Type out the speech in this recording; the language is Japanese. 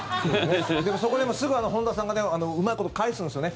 でも、そこでもすぐ本田さんがうまいこと返すんですよね。